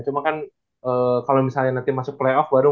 cuma kan kalau misalnya nanti masuk playoff baru